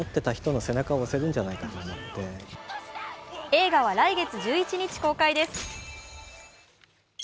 映画は来月１１日公開です。